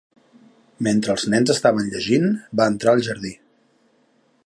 Mentre els nens estaven llegint, va entrar al jardí.